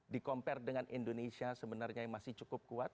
dikompare dengan indonesia sebenarnya yang masih cukup kuat